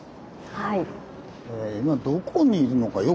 はい。